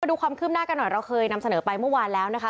ดูความคืบหน้ากันหน่อยเราเคยนำเสนอไปเมื่อวานแล้วนะคะ